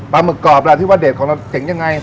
หมึกกรอบล่ะที่ว่าเด็ดของเราเจ๋งยังไง